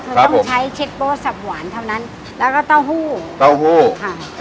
คือต้องใช้เช็ดโบสับหวานเท่านั้นแล้วก็เต้าหู้เต้าหู้ค่ะ